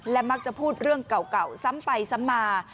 และมักจะพูดเรื่องเก่าซ้ำไปซ้ำมา